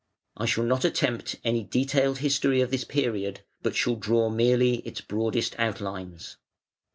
I shall not attempt any detailed history of this period, but shall draw merely its broadest outlines.